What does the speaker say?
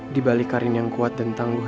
di balik karin yang kuat dan tangguh